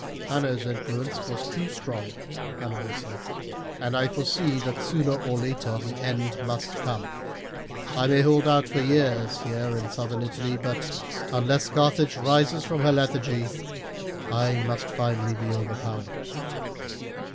"Hanno's influence was too strong," Hannibal said, "and I foresee that sooner or later the end must come. I may hold out for years here in Southern Italy, but unless Carthage rises from her lethargy, I must finally be overpowered."